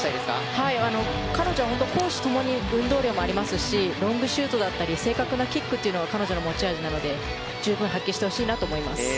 彼女は本当に攻守共に運動量もありますしロングシュートだったり正確なキックが彼女の持ち味なので十分発揮してほしいなと思います。